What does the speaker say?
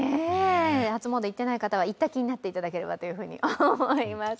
初詣行ってない方は行った気になっていただければと思います。